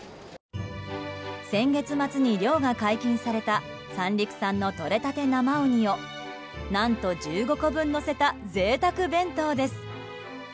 先月末に漁が解禁された三陸産のとれたて生ウニを何と１５個分のせた贅沢弁当です。